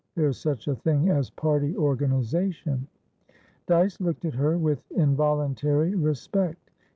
There is such a thing as party organisation." Dyce looked at her with involuntary respect.